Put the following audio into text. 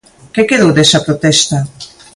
Que quedou desa protesta?